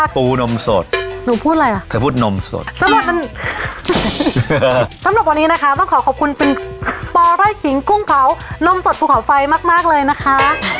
ปูนมสดถ้าพูดนมสดสำหรับวันนี้นะคะต้องขอขอบคุณคุณปไร่ขิงกุ้งเผานมสดภูเขาไฟมากเลยนะคะ